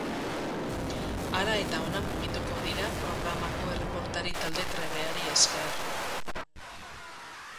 Hara eta hona mugituko dira programako erreportari talde trebeari esker.